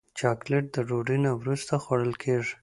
چاکلېټ د ډوډۍ نه وروسته خوړل کېږي.